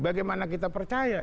bagaimana kita percaya